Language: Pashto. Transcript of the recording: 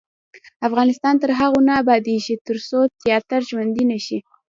افغانستان تر هغو نه ابادیږي، ترڅو تیاتر ژوندی نشي.